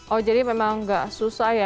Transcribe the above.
oh jadi memang nggak susah ya